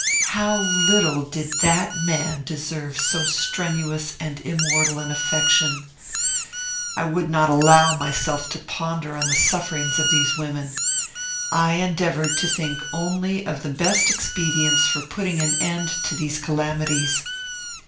How little did that man deserve so strenuous and immortal an affection! I would not allow myself to ponder on the sufferings of these women. I endeavoured to think only of the best expedients for putting an end to these calamities.